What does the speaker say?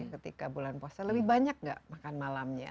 ketika bulan puasa lebih banyak gak makan malamnya